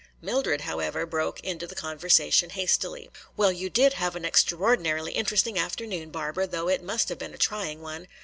Mildred, however, broke into the conversation hastily. "Well, you did have an extraordinarily interesting afternoon, Barbara, though it must have been a trying one.